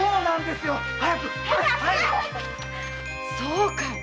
そうかい。